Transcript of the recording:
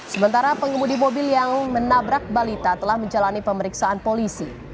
sementara pengemudi mobil yang menabrak balita telah menjalani pemeriksaan polisi